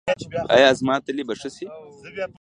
ایا زما تلي به ښه شي؟